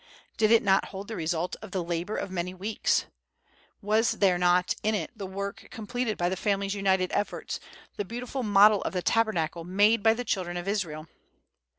Did it not hold the result of the labor of many weeks!—was there not in it the work completed by the family's united efforts, the beautiful model of the Tabernacle made by the children of Israel!